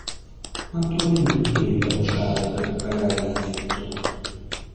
Quanto ha venduto il bracciale per pagare l‘affitto?